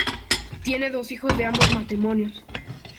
Tiene dos hijos de ambos matrimonios.